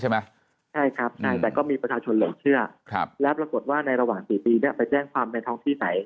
ใช่ครับแต่ก็มีประชาชนเหลือเชื่อแล้วปรากฏว่าในระหว่าง๔ปีไปแจ้งความในทองที่ไหน